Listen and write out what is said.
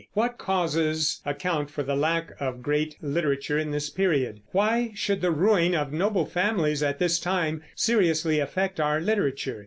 What causes account for the lack of great literature in this period? Why should the ruin of noble families at this time seriously affect our literature?